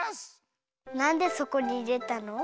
なんでそこにいれたの？